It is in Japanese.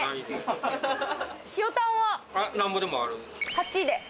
８で。